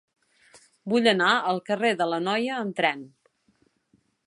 Vull anar al carrer de l'Anoia amb tren.